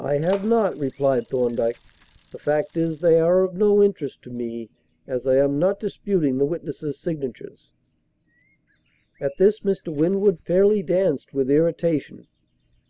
"I have not," replied Thorndyke. "The fact is they are of no interest to me, as I am not disputing the witnesses' signatures." At this, Mr. Winwood fairly danced with irritation.